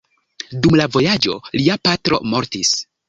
Dum la vojaĝo lia patro mortis.